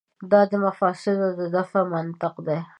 دا د مفاسدو دفع منطق دی.